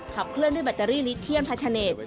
ขับเคลื่อนด้วยแบตเจอรี่ลิเทียมพันธ์เทอร์เนต